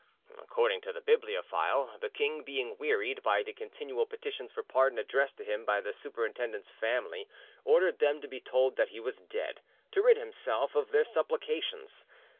According to the bibliophile, the king being wearied by the continual petitions for pardon addressed to him by the superintendent's family, ordered them to be told that he was dead, to rid himself of their supplications.